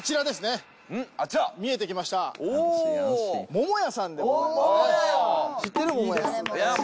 桃屋さんでございますね。